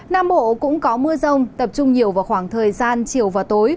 nam bộ cũng có mưa rông tập trung nhiều vào khoảng thời gian chiều và tối